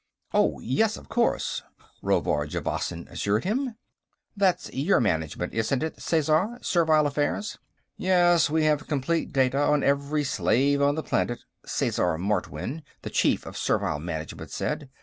"Oh, yes, of course," Rovard Javasan assured him. "That's your Management, isn't it, Sesar; Servile Affairs?" "Yes, we have complete data on every slave on the planet," Sesar Martwynn, the Chief of Servile Management, said.